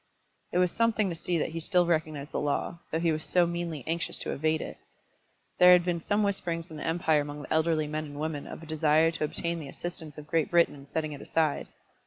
It was something to see that he still recognised the law, though he was so meanly anxious to evade it. There had been some whisperings in the empire among the elderly men and women of a desire to obtain the assistance of Great Britain in setting it aside.